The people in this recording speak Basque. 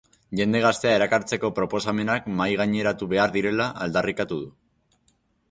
Jende gaztea erakartzeko proposamenak mahaigaineratu behar direla aldarrikatu du.